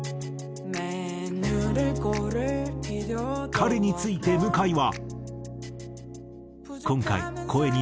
彼について向井は。